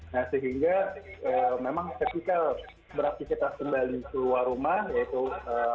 nah sehingga memang sepikal beraktifitas kembali keluar rumah yaitu kantor gitu ya